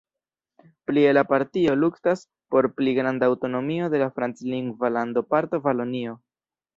Plie la partio luktas por pli granda aŭtonomio de la franclingva landoparto Valonio.